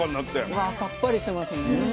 わさっぱりしてますね。